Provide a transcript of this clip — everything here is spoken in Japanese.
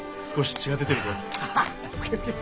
少し血が出てるぞ。